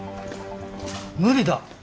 無理だ。